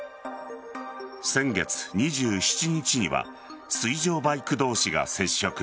先月２７日には水上バイク同士が接触。